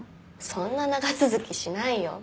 そんな長続きしないよ。